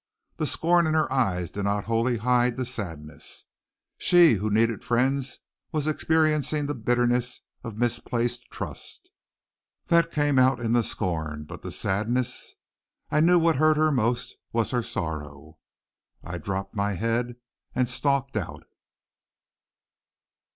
The scorn in her eyes did not wholly hide the sadness. She who needed friends was experiencing the bitterness of misplaced trust. That came out in the scorn, but the sadness I knew what hurt her most was her sorrow. I dropped my head and stalked out.